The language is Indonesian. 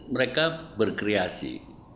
mereka harus berkriasi